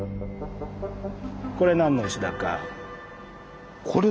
これ何の石だか。